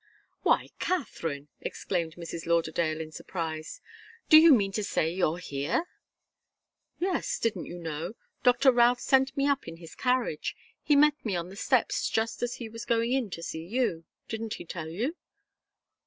"Why, Katharine!" exclaimed Mrs. Lauderdale, in surprise. "Do you mean to say you're here?" "Yes didn't you know? Doctor Routh sent me up in his carriage. He met me on the steps just as he was going in to see you. Didn't he tell you?"